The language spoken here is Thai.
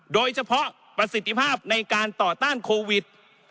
โดยเฉพาะประสิทธิภาพในการต่อต้านโควิด